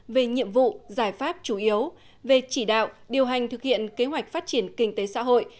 về nhiệm vụ giải pháp chủ yếu về chỉ đạo điều hành thực hiện kế hoạch phát triển kinh tế xã hội